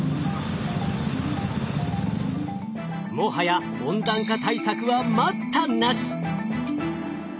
もはや温暖化対策は待ったなし。